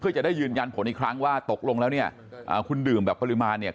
เพื่อจะได้ยืนยันผลอีกครั้งว่าตกลงแล้วเนี่ยคุณดื่มแบบปริมาณเนี่ย